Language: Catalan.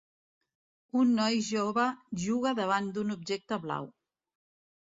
Un noi jove juga davant d'un objecte blau.